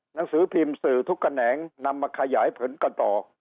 หนังสือพิมพ์สื่อทุกแขนงนำมาขยายผลกันต่อ